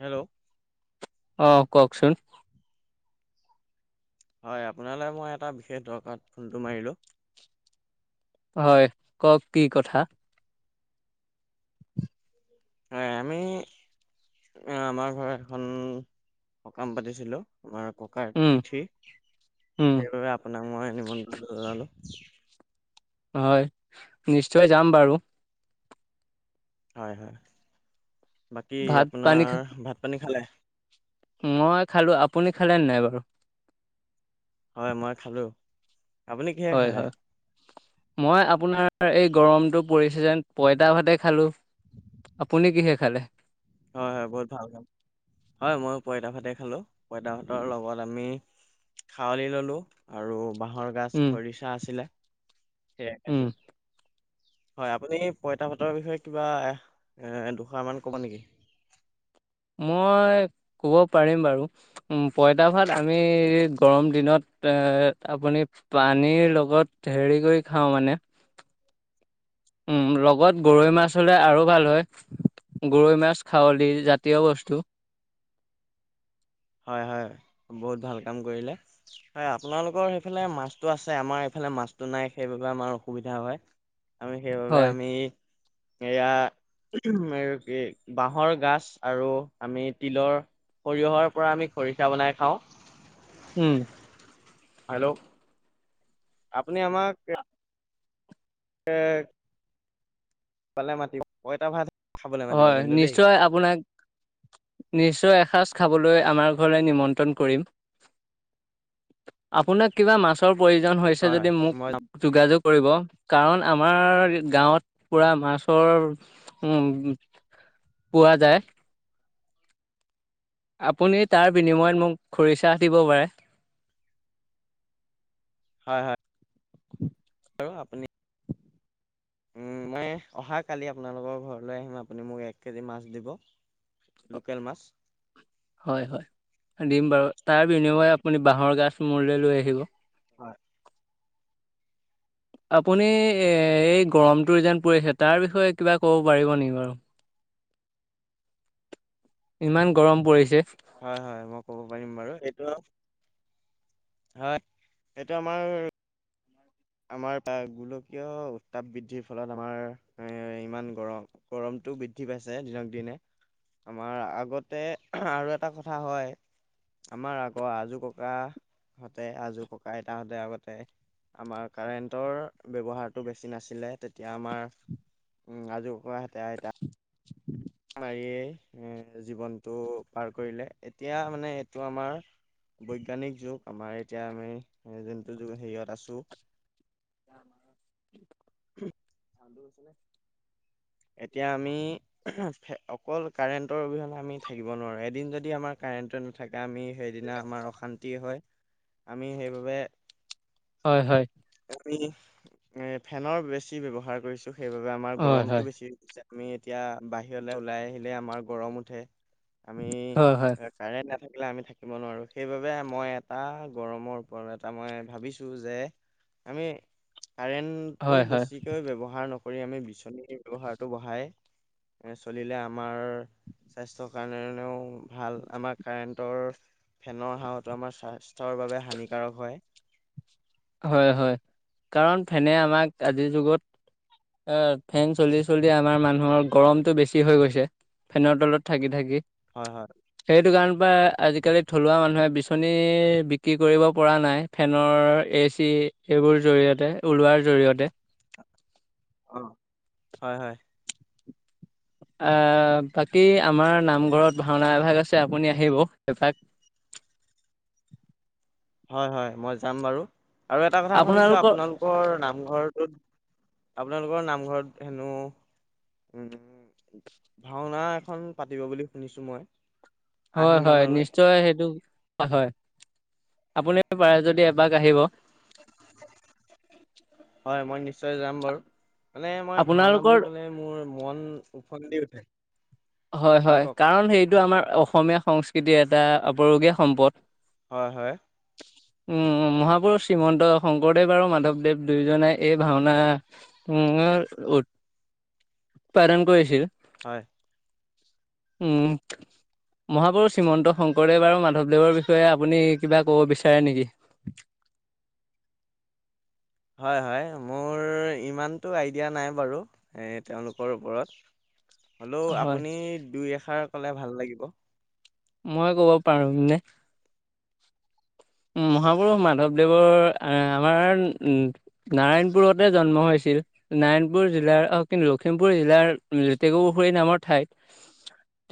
Hello? অ', কওঁকচোন? হয়, আপোনালে মই এটা বিশেষ দৰকাৰত ফোনটো মাৰিলোঁ। হয়, কওঁক কি কথা? হয়, আমি আমাৰ ঘৰত এখন সকাম পাতিছিলোঁ। আমাৰ ককাৰ উম, তিথি, উম, সেইবাবে আপোনাক মই নিমন্ত্ৰণটো জনালোঁ। হয়, নিশ্চয় যাম বাৰু। হয়-হয়, বাকী ভাত আপোনাৰ পানী খা ভাত পানী খালে? মই খালোঁ, আপুনি খালে নাই বাৰু? হয়, মই খালোঁ। আপুনি কিহে খালে হয়-হয়। মই আপোনাৰ এই গৰমটো পৰিছে যে, পঁইতা ভাতেই খালোঁ। আপুনি কিহে খালে? হয়-হয় বহুত ভাল কাম। হয়, মইও পইতা ভাতে খালোঁ। পইতা ভাতৰ লগত আমি খাৱলি ললোঁ, আৰু বাঁহৰ গাছ উম, খৰিচা আছিলে, সেইয়াই উম, খাইছোঁ। হয়, আপুনি পইতা ভাতৰ বিষয়ে কিবা এ দুশাৰ মান কব নেকি? মই ক'ব পাৰিম বাৰু। উম, পইতা ভাত আমি গৰম দিনত এ আপুনি পানীৰ লগত হেৰি কৰি খাওঁ মানে। উম, লগত গৰৈ মাছ হ'লে আৰু ভাল হয়। গৰৈ মাছ খাৱলি জাতীয় বস্তু। হয়-হয়, বহুত ভাল কাম কৰিলে। হয়, আপোনালোকৰ সেইফালে মাছটো আছে আমাৰ এইফালে মাছটো নাই সেইবাবে আমাৰ অসুবিধা হয়। আমি সেইবাবে হয়, আমি এয়া [unintelligible] কি বাহৰ গাছ আৰু আমি তিলৰ সৰিয়হৰ পৰা আমি খৰিচা বনাই খাওঁ। উম। হেল্ল'? আপুনি আমাক এ পালে মাতি [inaudible] পইটা ভাত খাবলৈ মাতিব হয়, কিন্তু দেই নিশ্চয় আপোনাক নিশ্চয় এসাঁজ খাবলৈ আমাৰ ঘৰলে নিমন্ত্ৰণ কৰিম। আপোনাক কিবা মাছৰ প্ৰয়োজন হৈছে হয় হয় যদি মই যাম মোক যোগাযোগ কৰিব কাৰণ আমাৰ গাঁৱত পুৰা মাছৰ উম। পোৱা যায়। আপুনি তাৰ বিনিময়ত মোক খৰিচা দিব পাৰে। হয়-হয়। আৰু আপুনি উম মই অহা কালি আপুনালোকৰ ঘৰলৈ আহিম আপুনি মোক এক কেজি মাছ দিব। লোকেল মাছ। হয়-হয়, দিম বাৰু। তাৰ বিনিময় আপুনি বাঁহৰ গাছ মুলৈ লৈ আহিব। হয়। আপুনি এ এই গৰমটো যেন পৰিছে তাৰ বিষয়ে কিবা ক'ব পাৰিব নেকি বাৰু? ইমান গৰম পৰিছে। হয়-হয়, মই ক'ব পাৰিম বাৰু। এইটো হয়, এইটো আমাৰ আমাৰ গোলকীয় উত্তাপ বৃদ্ধিৰ ফলত আমাৰ এ ইমান গৰম। গৰমতটো বৃদ্ধি পাইছে দিনক দিনে। আমাৰ আগতে আৰু এটা কথা হয়। আমাৰ আগৰ আজো ককা হতে আজো ককা আইতাহতে আগতে আমাৰ কাৰেণ্টৰ ব্যৱহাৰটো বেছি নাছিলে তেতিয়া আমাৰ উম আজি ককা হেতে আইতা [inaudible] মাৰিয়েই এ জীৱনতটো পাৰ কৰিলে। এতিয়া মানে এইটো আমাৰ বৈজ্ঞানিক যুগ আমাৰ এতিয়া আমি যোনটো যুগ হেৰিয়ত আছোঁ। [unintelligible] এতিয়া আমি অকল কাৰেণ্টৰ অবিহনে আমি থাকিব নোৱাৰো, এদিন যদি আমাৰ কাৰেণ্ট আমি সেই দিনা আমাৰ অশান্তি হয়, আমি সেই বাবে হয়-হয়। আমি এ ফেনৰ বেছি ব্যৱহাৰ কৰিছোঁ, সেইবাবে আমাৰ হয় গৰমতটো হয় বেছি আমি এতিয়া বাহিৰলৈ ওলাই আহিলে আমাৰ গৰম উঠে। আমি হয় হয় কাৰেণ্ট নাথাকিলে আমি থাকিব নোৱাৰো, সেইবাবে মই এটা গৰমৰ ওপৰত এটা মই ভাবিছোঁ যে আমি কাৰেন্টটো হয় হয় বেছিকৈ ব্যৱহাৰ নক কৰি আমি বিচনীৰ ব্যৱহাৰটো বঢ়াই এ চলিলে আমাৰ স্বাস্থ্যৰ কাৰণেও ভাল আমাৰ কাৰেণ্টৰ ফেনৰ সাৱাটো আমাৰ স্বাস্থ্যৰ বাবে হানিকাৰক হয়। হয়-হয়, কাৰণ ফেনে আমাক আজিৰ যুগত এ ফেন চলি-চলি আমাৰ মানুহৰ গৰমটো বেছি হৈ গৈছে। ফেনৰ তলত থাকি-থাকি। হয়-হয়। সেইটো কাৰণৰ পৰা আজিকালি থলুৱা মানুহে বিচনী বিক্ৰী কৰিব পৰা নাই ফেনৰ এই চি এইবোৰ জৰিয়তে, ওলোৱাৰ জৰিয়তে। অ', হয়-হয়। বাকী আমাৰ নামঘৰত ভাওনা এভাগ আছে আপুনি আহিব এপাক। হয়-হয়, মই যাম বাৰু। আৰু এটা কথা শুনিছোঁ আপোনালোকৰ আপোনালোকৰ নামঘৰটোত আপোনালোকৰ নামঘৰত হেনো উম, ভাওনা এখন পাতিব বুলি শুনিছোঁ মই। আহিন হয়-হয়, মানলৈ নিশ্চয় সেইটো হয় আপুনি পাৰে যদি এপাক আহিব। হয় মই নিশ্চয় যাম বাৰু। মানে মই ভাওনা আপোনালোকৰ বুলি ক'লে মোৰ মন উফন্দি উঠে। হয় হয়-হয়, কওক কাৰণ সেইটো আমাৰ অসমীয়া সংস্কৃতিৰ এটা আপুৰুগীয়া সম্পদ। হয়-হয়। উম, মহাপুৰুষ শ্ৰীমন্ত শংকৰদেৱ আৰু মাধৱদেৱ দুয়োজনে এই ভাওনা উম উৎপাদন কৰিছিল। হয়। উম, মহাপুষ শ্ৰীমন্ত শংকৰদেৱ আৰু মাধৱদেৱৰ বিষয়ে আপুনি কিবা ক'ব বিচাৰে নেকি? হয়-হয়, মোৰ ইমানতটো আইডিয়া নাই বাৰু এ তেওঁলোকৰ ওপৰত। হলেও হয় আপুনি দুই এষাৰ কলে ভাল লাগিব। মই ক'ব পাৰো নে? মহাপুৰুষ মাধৱদেৱৰ এ আমাৰ নাৰায়ণপুৰতে জন্ম হৈছিল। নাৰায়ণপুৰ জিলাৰ অ, কি লখিমপুৰ জিলাৰ লেতেকু পুখুৰী নামৰ ঠাইত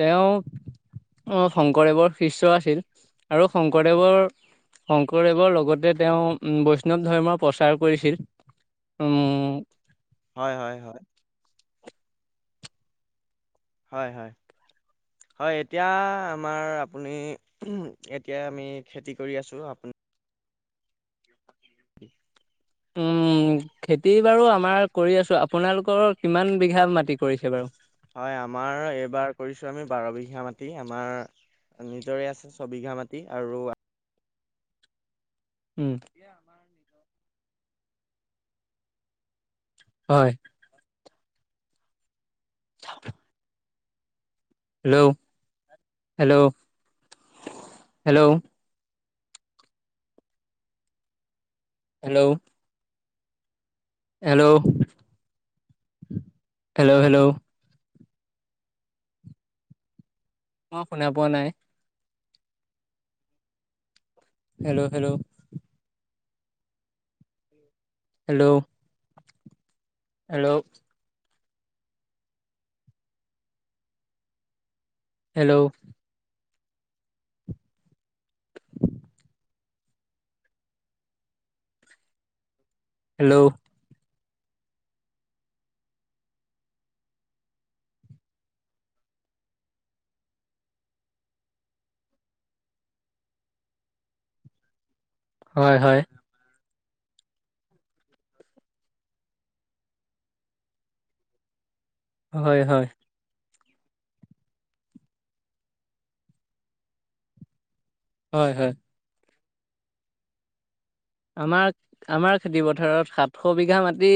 তেওঁ অ, শংকৰদেৱৰ শিষ্য আছিল আৰু শংকৰদেৱৰ শংকৰদেৱৰ লগতে তেওঁ বৈষ্ণৱ ধৰ্মৰ প্ৰচাৰ কৰিছিল। উম হয়-হয়-হয়। হয়-হয়-হয়, এতিয়া আমাৰ আপুনি উম, এতিয়া আমি খেতি কৰি আছো। আপুন [unintelligible] উম, খেতি বাৰু আমাৰ কৰি আছো। আপোনালোকৰ কিমান বিঘা মাটি কৰিছে বাৰু? হয়, আমাৰ এইবাৰ কৰিছোঁ আমি বাৰ বিঘা মাটি। আমাৰ নিজৰে আছে ছবিঘা মাটি আৰু উম। হয়। [unintelligible] Hello, hello, hello. Hello. Hello. Hello, hello. মই শুনা পোৱা নাই। Hello, hello. Hello. Hello. Hello. [inaudible] Hello. হয়, হয়। হয়, হয়। হয়, হয়। আমাক আমাৰ খেতি পথাৰত সাতশ বিঘা মাটি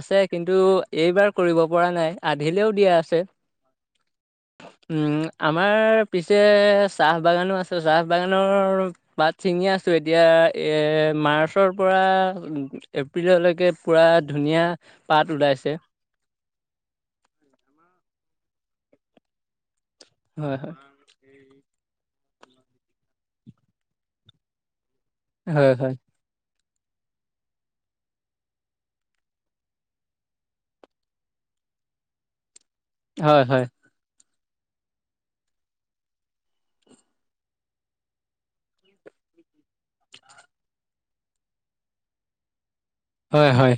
আছে, কিন্তু এইবাৰ কৰিব পৰা নাই। আধিলেও দিয়া আছে। [inaudible] উম, আমাৰ পিছে চাহ বাগানো আছে। চাহ বাগানৰ পাত ছিঙি আছো এতিয়া এ মাৰ্চৰ পৰা এপ্ৰিললৈকে পুৰা ধুনীয়া পাত ওলাইছে। হয়, হয়। এই [unintelligible] হয়, হয়। হয়, হয়। হয়, হয়।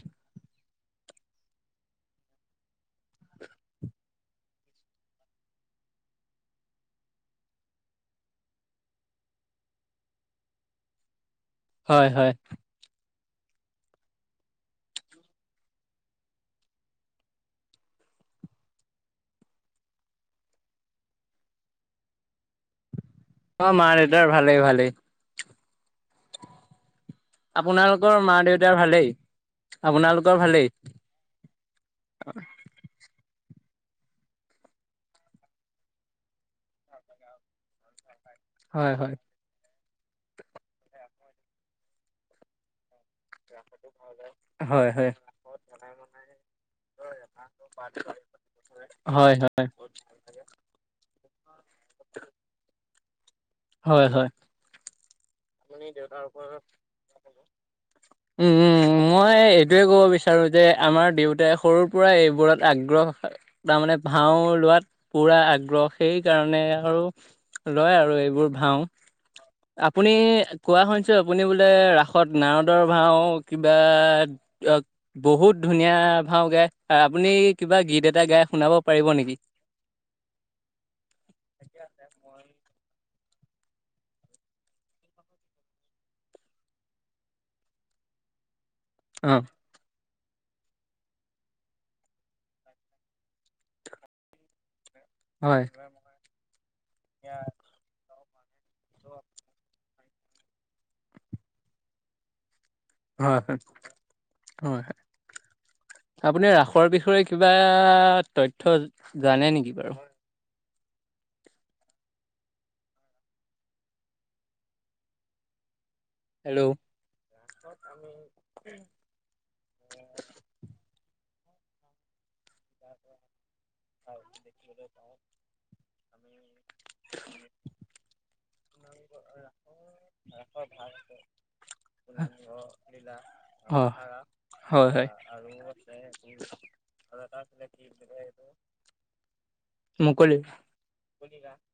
হয়, হয়। অ, মা-দেতাৰ ভালেই, ভালেই। আপোনালোকৰ মা-দেউতাৰ ভালেই? আপোনালোকৰ ভালেই? হয়, হয়। ৰাস্তাটো ভাল [unintelligible] [unintelligible] হয়, হয় [unintelligible] [unintelligible] হয়, হয়। [unintelligible] [inaudible] হয়, হয়। আপুনি দেউতাৰ [inaudible] [inaudible] উম- উম- উম, মই এটোৱে ক'ব বিচাৰো যে আমাৰ দেউতাই সৰুৰ পৰা এইবোৰত আগ্ৰহ তাৰমানে ভাওঁ ওলোৱাত পুৰা আগ্ৰহ সেইকাৰণে আৰু লয় আৰু এইবোৰ ভাওঁ। আপুনি কোৱা শুনিছোঁ আপুনি বোলে ৰাসত নাৰদৰ ভাওঁ কিবা [unintelligible] বহুত ধুনীয়া ভাওঁ গাই। আ-আপুনি কিবা গীত এটা গাই শুনাব পাৰিব নেকি? [unintelligible] অ। হয়। [unintelligible] [unintelligible] হয় [unintelligible] হয়। আপুনি ৰাসৰ বিষয়ে কিবা তথ্য জানে নেকি বাৰু? হেল্ল। [unintelligible] [unintelligible] [unintelligible] [inaudible] [unintelligible] অ, হয়- হয়। [unintelligible] [unintelligible] মুকলি [unintelligible]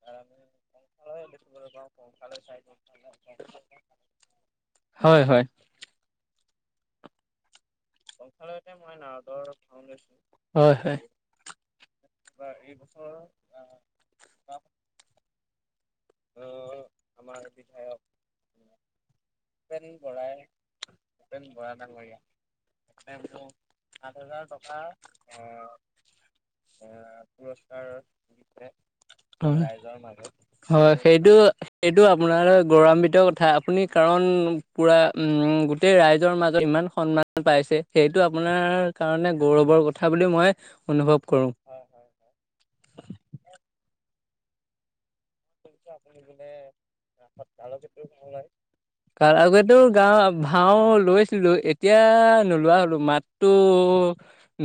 [unintelligible] [unintelligible] হয়, হয়। [unintelligible] মই নাৰদৰ ভাওঁ লৈছিলোঁ। হয়, হয়। এইবাৰ এইবছৰ আ অ, আমাৰ বিধায়ক ভূপেন বৰাই, ভূপেন বৰা ডাঙৰীয়া [unintelligible] সাত হাজাৰ টকাৰ আ আ, পুৰস্কাৰ দিছে, হয়। ৰাইজৰ মাজত। হয়, সেইটো এইটো আপোনাৰ গৌৰান্বিত কথা। আপুনি কাৰণ পুৰা উম গোটেই ৰাইজৰ মাজত ইমান সন্মানটো পাইছে, সেইটো আপোনাৰ কাৰণে গৌৰৱৰ কথা বুলি মই অনুভৱ কৰোঁ। [unintelligible] আপুনি বোলে [unintelligible] [inaudible] তাৰ আগতেও গাওঁ ভাওঁ লৈছিলো, এতিয়া নোলোৱা হ'লো। মাততো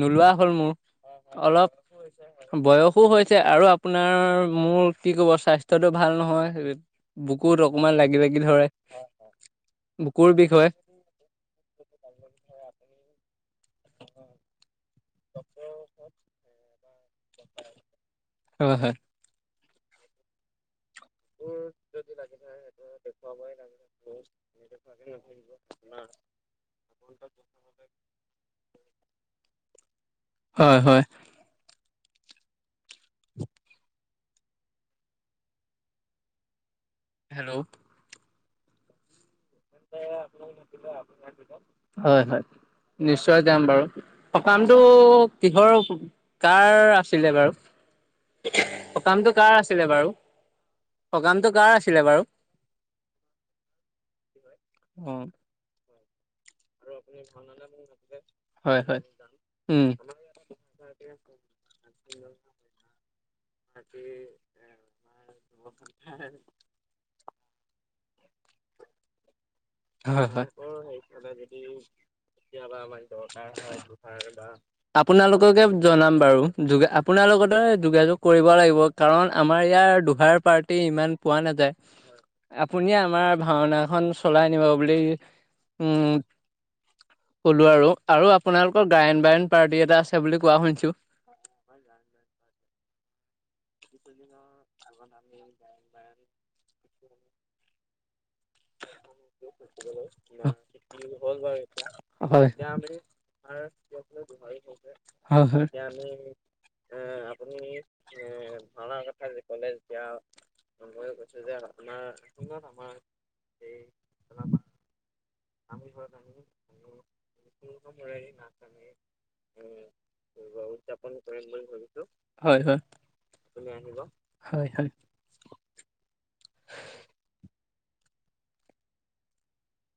নোলোৱা হ'ল মোৰ। অলপ বয়সো হৈছে আৰু আপোনাৰ মোৰ কি ক'ব স্বাইছ তটো ভাল নহয়। বুকুত অকমান লাগি লাগি ধৰে। অ। বুকুৰ বিষয় হয়। ডক্টৰৰ ওচৰত হয়, হয়। যদি লাগি ধৰে সেইটো দেখুৱাবই লাগিলে [unintelligible] [unintelligible] [unintelligible] হয়, হয়। [inaudible] হেল্ল। [unintelligible] হয়- হয়, নিশ্চয় যাম বাৰু। সকামটো কিহৰ কাৰ আছিলে বাৰু? সকামটো কাৰ আছিলে বাৰু? সকামটো কাৰ আছিলে বাৰু? অ। [unintelligible] হয়- হয়, উম। [unintelligible] [unintelligible] হয়- হয়, [unintelligible] সেইফালে যদি কেতিয়াবা আমাৰ দৰকাৰ হয় [unintelligible] বা আপোনালোককে জনাম বাৰু, যোগ আপোনাৰ লগতে যোগাযোগ কৰিব লাগিব। কাৰণ আমাৰ ইয়াৰ দুহাৰ পাৰ্টি ইমান পোৱা নাযায়। আপুনিয়ে আমাৰ ভাওঁনাখন চলাই নিব বুলি উ ক'লো আৰু, আৰু আপোনালোকৰ গায়ন বায়ন পাৰ্টি এটা আছে বুলি কোৱা শুনছো। [unintelligible] কিছুদিনৰ আগত আমি গায়ন বায়ন [unintelligible] [inaudible] [unintelligible] হয়। এতিয়া আমি [unintelligible] হয়, হয়। এতিয়া আমি এ আপুনি এ ভাওঁনাৰ কথা যে ক'লে যেতিয়া [unintelligible] কৈছো যে আপোনাৰ [unintelligible] আমি [unintelligible] উম, [unintelligible] উদযাপন কৰিম বুলি ভাবিছো। হয়, হয়। আপুনি আহিব। হয়- হয়। [inaudible]